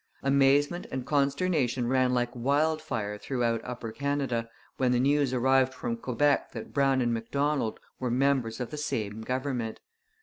Amazement and consternation ran like wildfire throughout Upper Canada when the news arrived from Quebec that Brown and Macdonald were members of the same government.